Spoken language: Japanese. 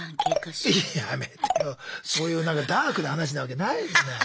あそういうダークな話なわけないじゃない。